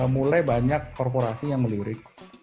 mulai banyak korporasi yang melirik